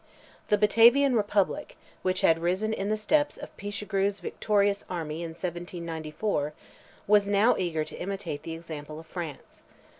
The Batavian republic, which had risen in the steps of Pichegru's victorious army, in 1794, was now eager to imitate the example of France.